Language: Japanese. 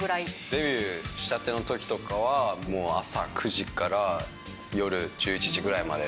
デビューしたてのときとかは、もう朝９時から夜１１時ぐらいまで。